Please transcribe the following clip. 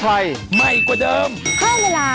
โอ้โฮโอ้โฮ